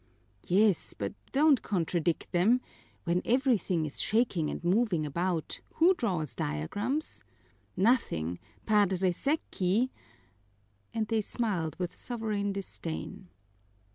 "Yes, but don't contradict them. When everything is shaking and moving about, who draws diagrams? Nothing, Padre Secchi " And they smiled with sovereign disdain.